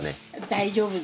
大丈夫？